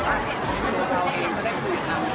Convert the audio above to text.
การรับความรักมันเป็นอย่างไร